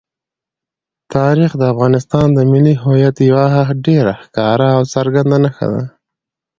تاریخ د افغانستان د ملي هویت یوه ډېره ښکاره او څرګنده نښه ده.